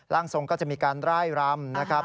ร่างทรงก็จะมีการไล่รำนะครับ